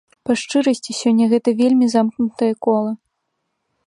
Па шчырасці, сёння гэта вельмі замкнутае кола.